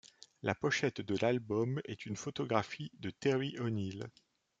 La pochette de l'album est une photographie de Terry O'Neill.